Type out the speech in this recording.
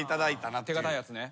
手堅いやつね。